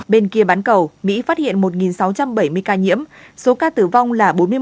bên kia bán cầu mỹ phát hiện một sáu trăm bảy mươi ca nhiễm số ca tử vong là bốn mươi một